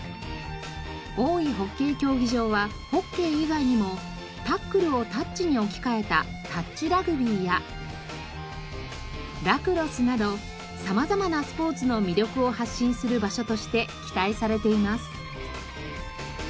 大井ホッケー競技場はホッケー以外にもタックルをタッチに置き換えたタッチラグビーやラクロスなど様々なスポーツの魅力を発信する場所として期待されています。